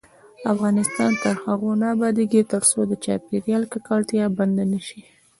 افغانستان تر هغو نه ابادیږي، ترڅو د چاپیریال ککړتیا بنده نشي.